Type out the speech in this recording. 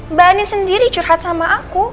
mbak ani sendiri curhat sama aku